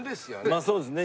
まあそうですね。